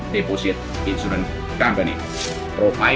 perusahaan insuransi indonesia deposit